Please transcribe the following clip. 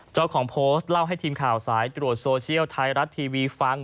เจ้าของโพสต์เล่าให้ทีมข่าวสายตรวจโซเชียลไทยรัฐทีวีฟัง